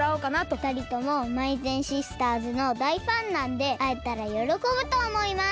ふたりともまいぜんシスターズのだいファンなんであえたらよろこぶとおもいます。